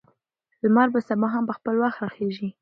لمر به سبا هم په خپل وخت راخیژي.